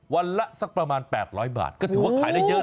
วันละสักประมาณ๘๐๐บาทก็ถือว่าขายได้เยอะ